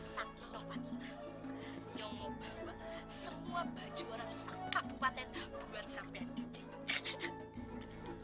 semua baju orang sekampung